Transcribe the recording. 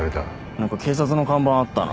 何か警察の看板あったな。